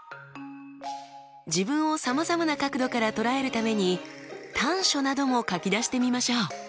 自分をさまざまな角度から捉えるために短所なども書き出してみましょう。